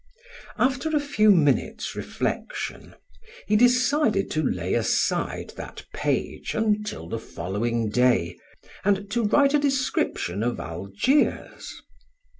After a few minutes' reflection, he decided to lay aside that page until the following day, and to write a description of Algiers.